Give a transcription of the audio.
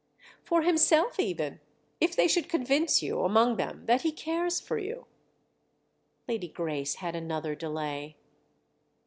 "For himself even—if they should convince you, among them, that he cares for you." Lady Grace had another delay.